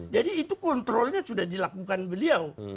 jadi itu kontrolnya sudah dilakukan beliau